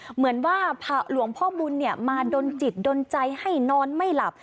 เหมือนว่าหลวงพ่อบุญมาดนจิตดนใจให้นอนไม่หลับ